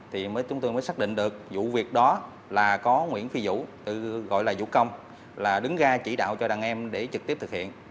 thì chúng tôi mới xác định được vụ việc đó là có nguyễn phi vũ gọi là vũ công là đứng ra chỉ đạo cho đàn em để trực tiếp thực hiện